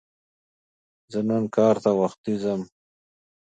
زه نن کار ته وختي ځم